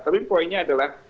tapi poinnya adalah